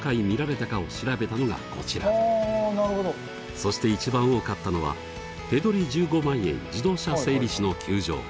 そして一番多かったのは「手取り１５万円自動車整備士の窮状」。